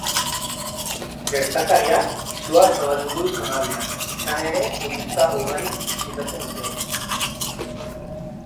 Gertakariak izua zabaldu du zonaldean, izan ere, turista ugarik bisitatzen dute.